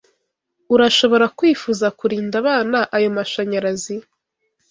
Urashobora kwifuza kurinda abana ayo mashanyarazi.